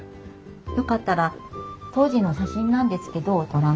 よかったら当時の写真なんですけどご覧ください。